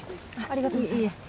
ありがとうございます。